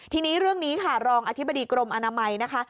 ทีนี้เรื่องนี้ค่ะรองอธิบดีกรมอนามัยนะคะ